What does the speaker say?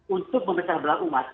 untuk memecah belah umat